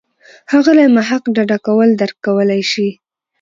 ښاغلی محق ډډه کول درک کولای شي.